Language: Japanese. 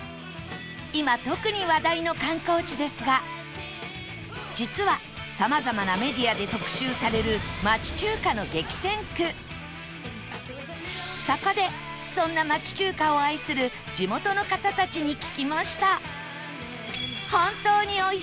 今特に話題の観光地ですが実はさまざまなメディアで特集されるそこでそんな町中華を愛する地元の方たちに聞きました